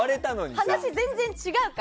話が全然違うから。